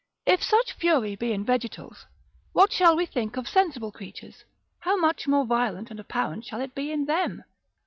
103. &c. If such fury be in vegetals, what shall we think of sensible creatures, how much more violent and apparent shall it be in them!